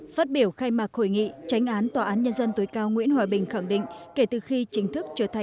phát biểu khai mạc hội nghị tranh án tòa án nhân dân tối cao nguyễn hòa bình khẳng định